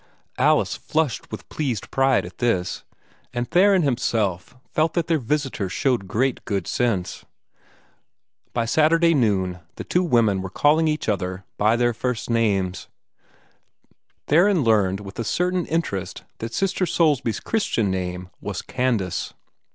Alice flushed with pleased pride at this, and Theron himself felt that their visitor showed great good sense. By Saturday noon, the two women were calling each other by their first names. Theron learned with a certain interest that Sister Soulsby's Christian name was Candace.